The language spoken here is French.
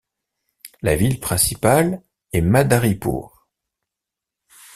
La ville principale est Madaripur.